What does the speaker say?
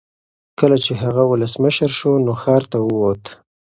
کله چې هغه ولسمشر شو نو ښار ته وووت.